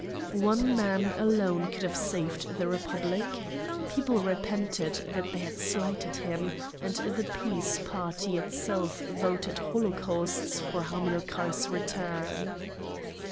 One man alone could have saved the Republic. People repented that they had slighted him, and the peace party itself voted holocausts for Hamilcar's return.